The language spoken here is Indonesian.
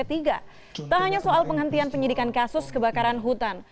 tak hanya soal penghentian penyidikan kasus kebakaran hutan